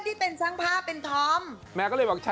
ใช่คนที่เป็นช่างพาถ่ายให้หรือเปล่า